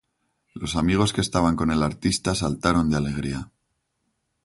Los amigos que estaban con el artista saltaron de alegría.